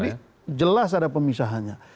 jadi jelas ada pemisahannya